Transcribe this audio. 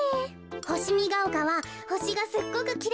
ほしみがおかはほしがすっごくきれいにみえたよね。